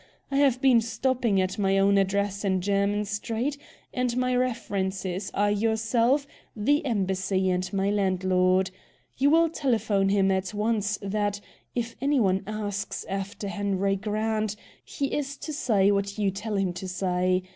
I have been stopping at my own address in Jermyn Street, and my references are yourself, the Embassy, and my landlord. You will telephone him at once that, if any one asks after Henry Grant, he is to say what you tell him to say.